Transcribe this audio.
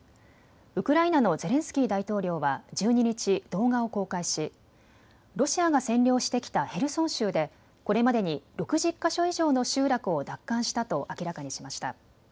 ウクライナのゼレンスキー大統領は１２日、動画を公開しロシアが占領してきたヘルソン州でこれまでに６０か所以上の集落を奪還したと明らかにしました。